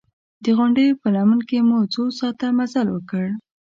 د غونډیو په لمن کې مو څو ساعته مزل وکړ.